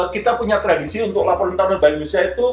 kita punya tradisi untuk laporan bank indonesia itu